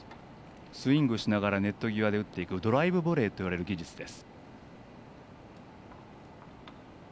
スイングをしながらネット際で打っていくドライブボレーといわれる技術です。